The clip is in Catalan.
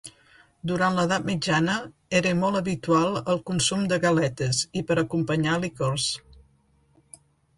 Durant l'edat mitjana era molt habitual el consum de galetes i per acompanyar licors.